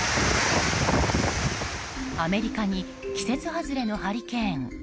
アメリカに季節外れのハリケーン。